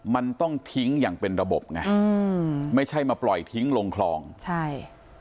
มันต้องทิ้งอย่างเป็นระบบไงอืมไม่ใช่มาปล่อยทิ้งลงคลองใช่